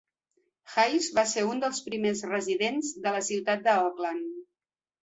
Hays va ser un dels primers residents de la ciutat de Oakland.